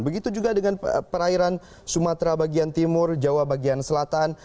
begitu juga dengan perairan sumatera bagian timur jawa bagian selatan